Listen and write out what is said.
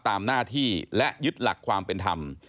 ตามหน้าที่และยึดหลักความเป็นธรรม